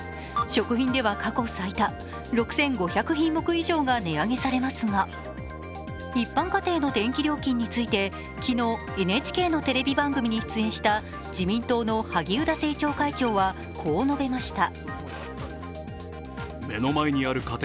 食品では過去最多、６５００品目以上が値上げされますが一般家庭の電気料金について昨日、ＮＨＫのテレビ番組に出演した自民党の萩生田政調会長はこう述べました。